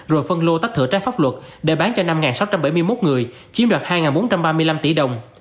rồi phân lô tách thửa trái pháp luật để bán cho năm sáu trăm bảy mươi một người chiếm đoạt hai bốn trăm ba mươi năm tỷ đồng